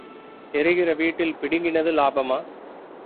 எரிகிற வீட்டில் பிடுங்கினது இலாபம்.